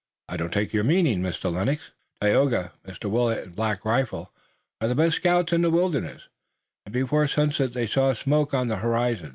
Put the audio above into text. "I don't take your meaning, Mr. Lennox." "Tayoga, Mr. Willet and Black Rifle, are the best scouts in the wilderness, and before sunset they saw smoke on the horizon.